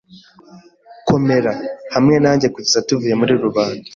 Komera hamwe nanjye kugeza tuvuye muri rubanda.